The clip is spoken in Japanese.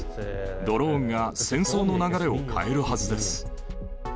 ドローンが戦争の流れを変えるはずです。